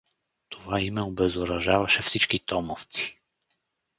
Това име обезоръжаваше всички томовци.